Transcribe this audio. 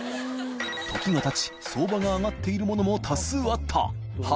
燭相場が上がっているものも多数あった祺